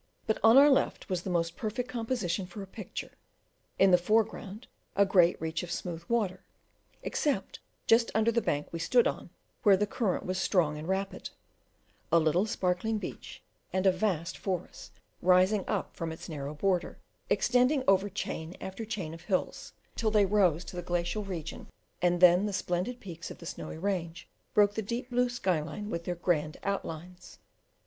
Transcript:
But on our left was the most perfect composition for a picture in the foreground a great reach of smooth water, except just under the bank we stood on, where the current was strong and rapid; a little sparkling beach, and a vast forest rising up from its narrow border, extending over chain after chain of hills, till they rose to the glacial region, and then the splendid peaks of the snowy range broke the deep blue sky line with their grand outlines.